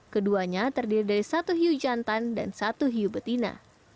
keduanya terdiri dari satu hiu jantan dan satu hiu betina